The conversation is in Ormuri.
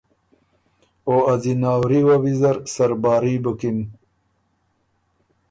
او ا ځِناوري وه ویزر سرباري بُکِن۔